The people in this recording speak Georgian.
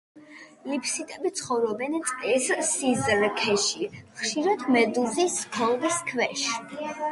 ლიფსიტები ცხოვრობენ წყლის სიზრქეში, ხშირად მედუზის ქოლგის ქვეშ.